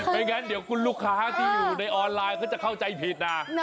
งั้นเดี๋ยวคุณลูกค้าที่อยู่ในออนไลน์ก็จะเข้าใจผิดนะ